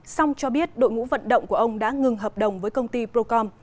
song cho biết đội ngũ vận động của ông đã ngừng hợp đồng với công ty procom